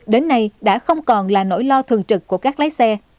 đến nay đã không còn là nỗi lo thường trực của các lái xe